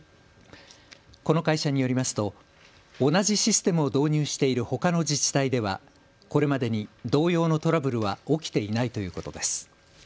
この会社によりますと同じシステムを導入しているほかの自治体ではこれまでに同様のトラブルは起きていないということです。